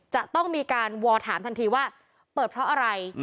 จะต้องมีการวอลถามทันทีว่าเปิดเพราะอะไร